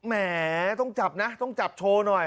แหมต้องจับนะต้องจับโชว์หน่อย